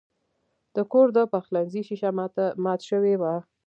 د کور د پخلنځي شیشه مات شوې وه.